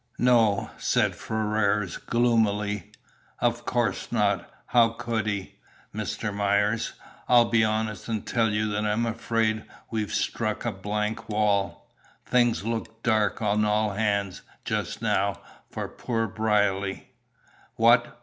"No," said Ferrars, gloomily. "Of course not How could he? Mr. Myers, I'll be honest and tell you that I'm afraid we've struck a blank wall. Things look dark on all hands, just now, for poor Brierly." "What!